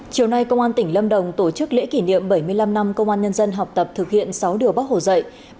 chiều nay công an tỉnh lâm đồng tổ chức lễ kỷ niệm bảy mươi năm năm công an nhân dân học tập thực hiện sáu đường bóc hồ dậy